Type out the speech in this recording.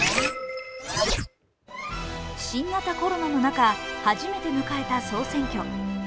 新型コロナの中、初めて迎えた総選挙。